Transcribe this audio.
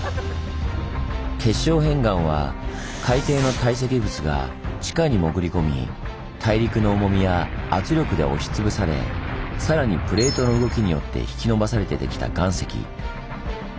結晶片岩は海底の堆積物が地下に潜り込み大陸の重みや圧力で押し潰されさらにプレートの動きによって引き伸ばされてできた岩石。